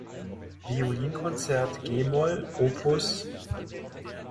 Violinkonzert g-Moll op.